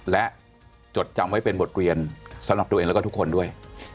และจดจำไว้เป็นบทเรียนสำหรับตัวเองแล้วก็ทุกคนด้วย